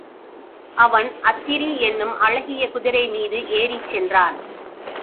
அவன் அத்திரி என்னும் அழகிய குதிரைமீது ஏறிச் சென்றான்.